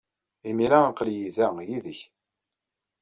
Imir-a, aql-iyi da, yid-k.